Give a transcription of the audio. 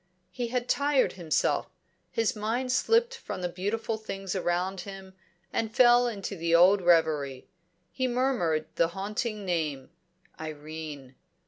He had tired himself; his mind slipped from the beautiful things around him, and fell into the old reverie. He murmured the haunting name Irene.